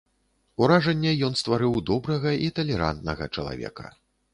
Уражанне ён стварыў добрага і талерантнага чалавека.